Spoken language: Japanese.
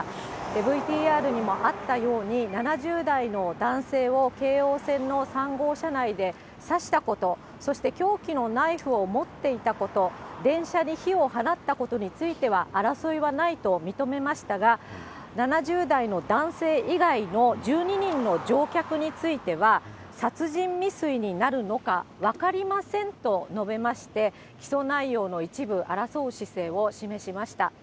ＶＴＲにもあったように、７０代の男性を京王線の３号車内で刺したこと、そして凶器のナイフを持っていたこと、電車に火を放ったことについては争いはないと認めましたが、７０代の男性以外の１２人の乗客については、殺人未遂になるのか分かりませんと述べまして、起訴内容の一部を争う姿勢を示しました。